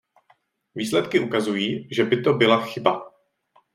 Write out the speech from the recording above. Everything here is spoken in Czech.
Výsledky ukazují, že by to byla chyba.